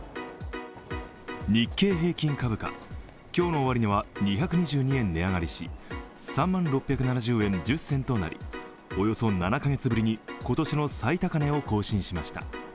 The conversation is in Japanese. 日経平均株価、今日の終値は２２２円値上がりし３万６７０円１０銭となり、およそ７カ月ぶりに、今年の最高値を更新しました。